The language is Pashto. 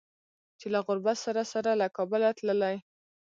چې له غربت سره سره له کابله تللي